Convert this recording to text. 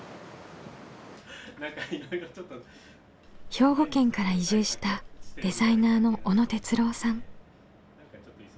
兵庫県から移住したデザイナーの小野哲郎さん。